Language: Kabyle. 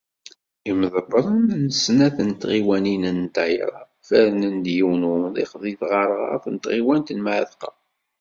Imḍebbren n snat n tɣiwanin n ddayra, fernen-d yiwen umḍiq deg tɣerɣart n tɣiwant n Mεatqa.